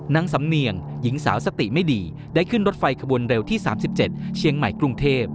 นางสำเนียงหญิงสาวสติไม่ดีได้ขึ้นรถไฟขบวนเร็วที่๓๗เชียงใหม่กรุงเทพ